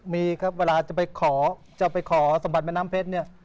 มีครับเวลาจะไปขอจะไปขอสมบัติแม่น้ำเพชรเนี่ย